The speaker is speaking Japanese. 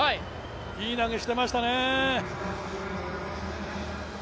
いい投げしていましたね。